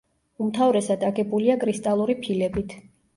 უმთავრესად აგებულია კრისტალური ფილებით.